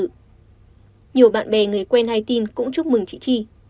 nhiều bạn bè người quen hay tin cũng chúc mừng chị chi